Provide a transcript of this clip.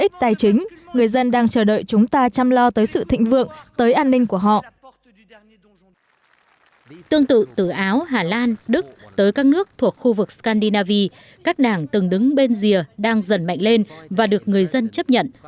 tương tự từ áo hà lan đức tới các nước thuộc khu vực scandynavi các đảng từng đứng bên rìa đang dần mạnh lên và được người dân chấp nhận